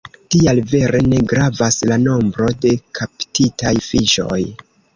Tial vere ne gravas la nombro de kaptitaj fiŝoj.